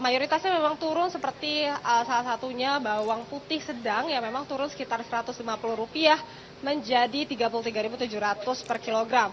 mayoritasnya memang turun seperti salah satunya bawang putih sedang yang memang turun sekitar rp satu ratus lima puluh menjadi rp tiga puluh tiga tujuh ratus per kilogram